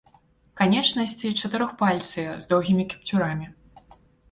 Канечнасці чатырохпальцыя, з доўгімі кіпцюрамі.